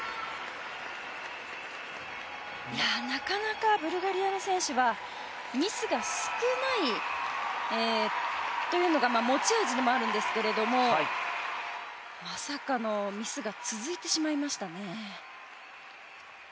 なかなかブルガリアの選手はミスが少ないというのが持ち味でもあるんですけれどもまさかのミスが続いてしまいましたね。